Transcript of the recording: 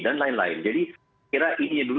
dan lain lain jadi kira ini dulu